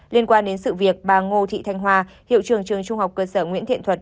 liên quan đến sự việc bà ngô thị thanh hòa hiệu trường trường trung học cơ sở nguyễn thiện thuật